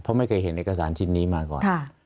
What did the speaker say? เพราะไม่เคยเห็นเอกสารชิ้นนี้มาก่อน